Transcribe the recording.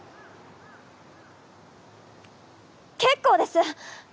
結構です！